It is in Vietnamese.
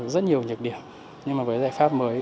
rất nhiều nhược điểm nhưng với giải pháp mới